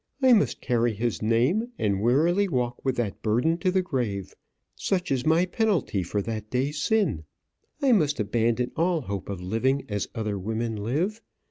I must carry his name, and wearily walk with that burden to the grave. Such is my penalty for that day's sin. I must abandon all hope of living as other women live.